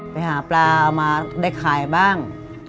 ไปหาปลาเอามาได้ขายบ้าง